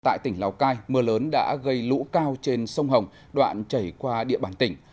tại tỉnh lào cai mưa lớn đã gây lũ cao trên sông hồng đoạn chảy qua địa bàn tỉnh